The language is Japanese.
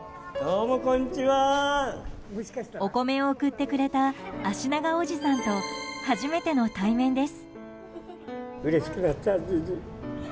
お米を送ってくれた足長おじさんと初めての対面です。